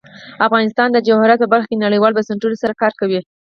افغانستان د جواهرات په برخه کې نړیوالو بنسټونو سره کار کوي.